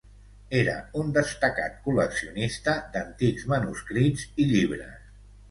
Era un destacat col·leccionista d'antics manuscrits i llibres.